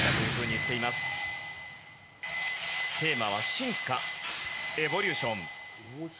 テーマは進化、エボリューション。